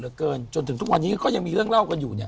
เยอะนะกิ่นจนถึงทุกวันนี้ก็ยังมีเรื่องเล่ากันอยู่